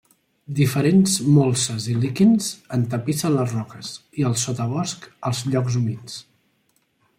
Diferents molses i líquens entapissen les roques, i el sotabosc als llocs humits.